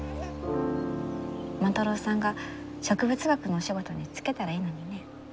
万太郎さんが植物学のお仕事に就けたらいいのにね。